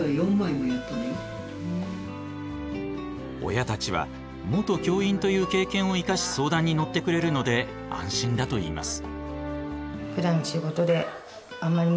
親たちは元教員という経験を生かし相談に乗ってくれるので安心だといいます。